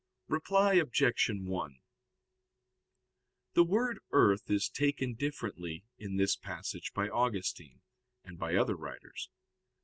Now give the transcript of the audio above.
Reply Obj. 1: The word earth is taken differently in this passage by Augustine, and by other writers.